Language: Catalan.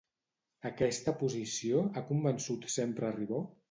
Aquesta posició ha convençut sempre Ribó?